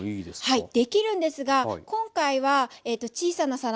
はい。